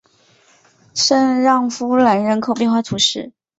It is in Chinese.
圣让夫兰人口变化图示